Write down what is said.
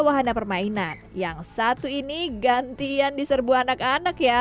wahana permainan yang satu ini gantian di serbu anak anak ya